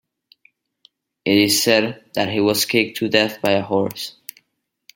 It is said that he was kicked to death by a horse.